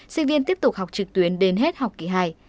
sinh viên tiếp tục học trực tuyến đến hết học kỳ hai